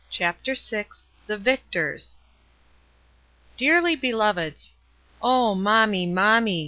D' CHAPTER VI THE VICTORS ^EARLY BELOVEDS: — "Oh, mommy, mommy!